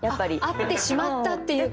会ってしまったっていう顔？